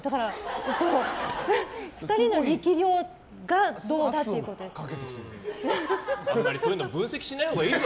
２人の力量がどうかということですよね。